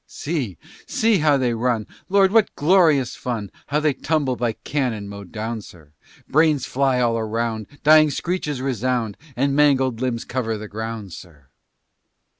See! see! how they run! Lord! what glorious fun! How they tumble, by cannon mowed down, sir! Brains fly all around, Dying screeches resound, And mangled limbs cover the ground, sir.